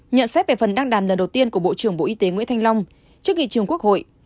nhận xét về phần đăng đàn lần đầu tiên của bộ trưởng bộ y tế nguyễn thanh long trước nghị trường quốc hội